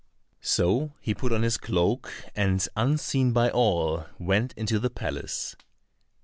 So he put on his cloak, and unseen by all went into the palace.